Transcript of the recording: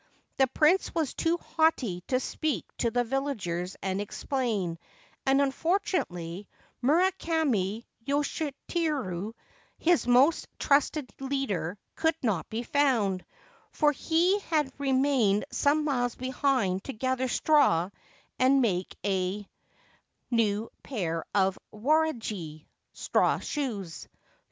The Prince was too haughty to speak to the villagers and explain, and, unfortunately, Murakami Yoshiteru, his most trusted leader, could not be found, for he had remained some miles behind to gather straw and make a 97 13 Ancient Tales and Folklore of Japan new pair of waraji (straw shoes).